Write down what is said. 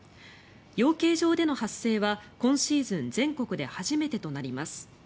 養鶏場での発生は、今シーズン全国で初めてとなります。